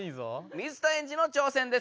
水田エンジの挑戦です。